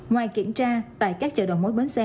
ngoài kiểm tra tại các chợ đầu mối bến xe